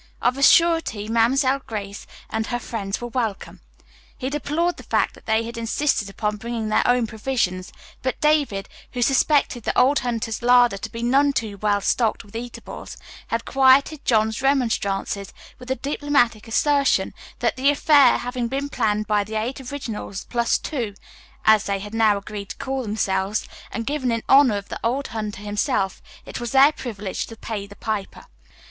Of a surety Mamselle Grace and her friends were welcome. He deplored the fact that they had insisted upon bringing their own provisions, but David, who suspected the old hunter's larder to be none too well stocked with eatables, had quieted Jean's remonstrances with the diplomatic assertion that the affair having been planned by the "Eight Originals Plus Two," as they had now agreed to call themselves, and given in honor of the old hunter himself, it was their privilege to pay the piper.